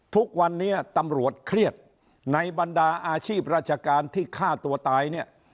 ทุกวันนี้ตำรวจเครียดในบรรดาอาชีพราชการที่ฆ่าตัวตายเนี่ย